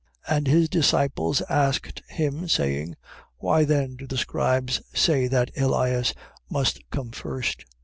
17:10. And his disciples asked him, saying: Why then do the scribes say that Elias must come first?